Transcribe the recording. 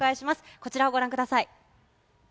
こちらをご覧ください。